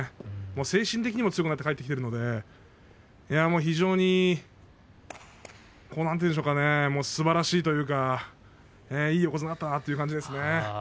精神的にも強くなって帰ってきているので非常になんていうんでしょうかすばらしいというか横綱だなという感じですね。